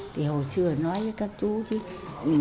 thì hồi xưa nói với các chú chứ